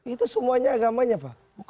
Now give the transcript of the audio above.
itu semuanya agamanya pak